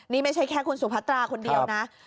นี่ไม่ใช่แค่คุณสุพัตราคนเดียวนะ